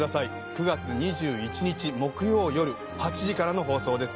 ９月２１日木曜よる８時からの放送です。